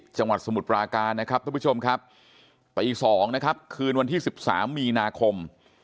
สมุทรปราการนะครับทุกผู้ชมครับตี๒นะครับคืนวันที่๑๓มีนาคม